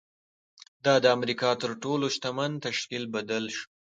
دا د امریکا تر تر ټولو شتمن تشکیل بدل شو